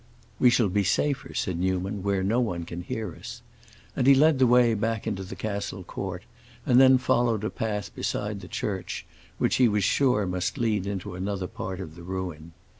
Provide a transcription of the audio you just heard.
"We shall be safer," said Newman, "where no one can hear us." And he led the way back into the castle court and then followed a path beside the church, which he was sure must lead into another part of the ruin.